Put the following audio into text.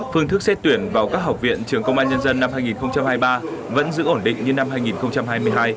phương thức xét tuyển vào các học viện trường công an nhân dân năm hai nghìn hai mươi ba vẫn giữ ổn định như năm hai nghìn hai mươi hai